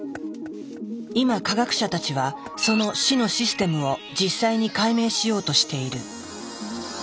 今科学者たちはその「死のシステム」を実際に解明しようとしている。